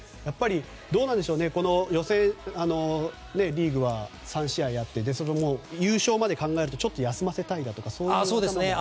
どうなんでしょうかリーグ３試合あって優勝まで考えるとちょっと休ませたいだとかそういう考えも。